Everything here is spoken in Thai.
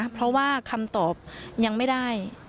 เพราะว่าคำตอบยังไม่ได้